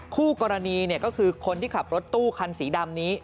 คู่กรณีก็คือคนที่ขับรถตู้คันสีดำนี้